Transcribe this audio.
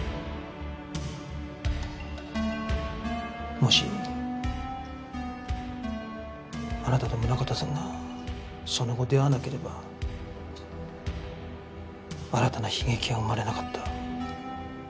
もしあなたと宗形さんがその後出会わなければ新たな悲劇は生まれなかった。